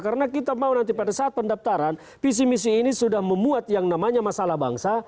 karena kita mau nanti pada saat pendaftaran visi misi ini sudah memuat yang namanya masalah bangsa